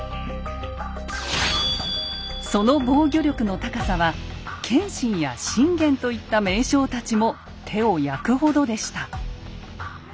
その防御力の高さは謙信や信玄といった名将たちも手を焼くほどでした。